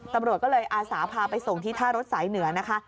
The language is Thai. ตำรวจก็เลยอาสาพาไปส่งที่ท่ารถสายเหนือนะคะ